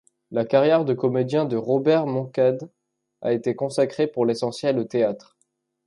La carrière de comédien de Robert Moncade a été consacrée pour l'essentiel au théâtre.